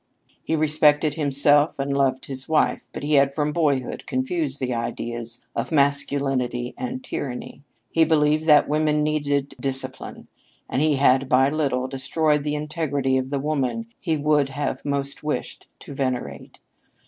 He respected himself and loved his wife, but he had from boyhood confused the ideas of masculinity and tyranny. He believed that women needed discipline, and he had little by little destroyed the integrity of the woman he would have most wished to venerate.